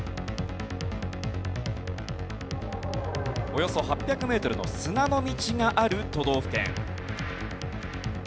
およそ８００メートルの砂の道がある都道府県。